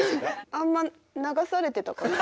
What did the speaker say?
あんま流されてたかな？